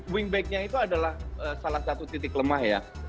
wingbacknya itu adalah salah satu titik lemah ya